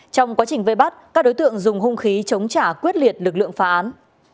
trong quá trình vây bắt các đối tượng dùng hung khí chống trả quyết liệt lực lượng phá án